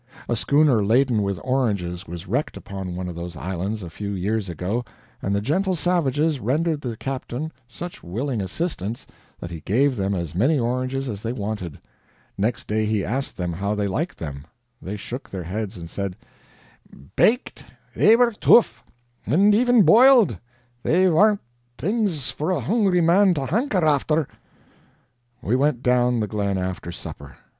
A schooner laden with oranges was wrecked upon one of those islands a few years ago, and the gentle savages rendered the captain such willing assistance that he gave them as many oranges as they wanted. Next day he asked them how they liked them. They shook their heads and said: "Baked, they were tough; and even boiled, they warn't things for a hungry man to hanker after." We went down the glen after supper.